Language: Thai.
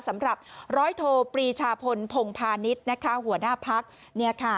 สำหรับรอยตอบปรีชาพลผงพาณิทย์หัวหน้าภักดิ์